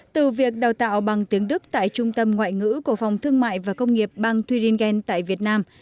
từ việc đào tạo bằng tiếng đức tại trung tâm ngoại ngữ cổ phòng thương mại và công nghiệp bang thủ hiến bang đức tại việt nam